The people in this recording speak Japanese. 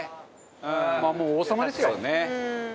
まあ、もう王様ですよ。